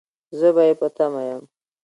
زه به يې په تمه يم